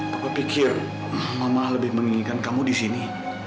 aku pikir mama lebih menginginkan kamu di sini